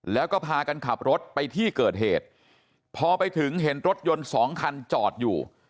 แล้วก็พากันขับรถไปที่เกิดเหตุพอไปถึงเห็นรถยนต์สองคันจอดอยู่